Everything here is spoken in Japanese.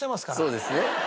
そうですね。